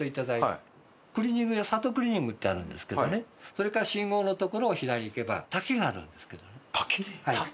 それから信号の所を左に行けば滝があるんですけどね。